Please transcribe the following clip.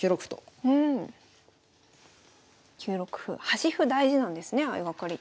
端歩大事なんですね相掛かり。